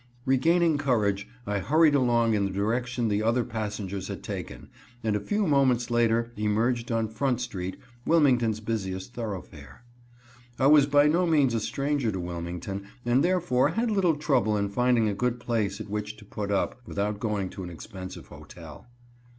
Regaining courage, I hurried along in the direction the other passengers had taken, and a few moments later emerged on Front street, Wilmington's busiest thoroughfare. I was by no means a stranger to Wilmington, and, therefore, had little trouble in finding a good place at which to put up, without going to an expensive hotel.